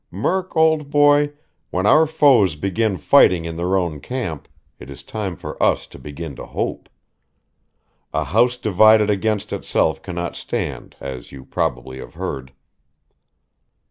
Murk, old boy, when our foes begin fighting in their own camp it is time for us to begin to hope. A house divided against itself cannot stand, as you probably have heard."